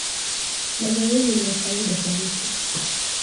Mazowezi niya faida kwa mtu